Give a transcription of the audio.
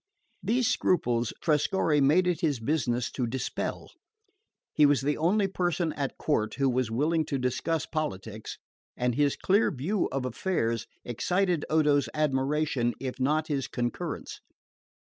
These scruples Trescorre made it his business to dispel. He was the only person at court who was willing to discuss politics, and his clear view of affairs excited Odo's admiration if not his concurrence.